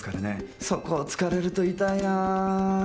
そこを突かれると痛いなあ。